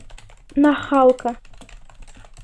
Нахалка!